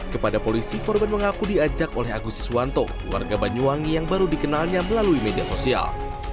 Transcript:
kepada polisi korban mengaku diajak oleh agus siswanto warga banyuwangi yang baru dikenalnya melalui media sosial